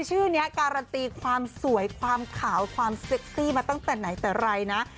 ชื่อนี้การันตีความสวยความขาวความเซ็กซี่มาตั้งแต่ไหนแต่ไรนะ